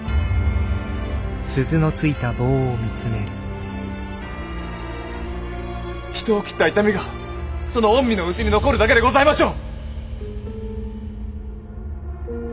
回想人を斬った痛みがその御身の内に残るだけでございましょう！